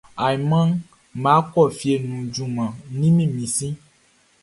Ayinʼman nʼma kɔ fie nu juman ni mi si.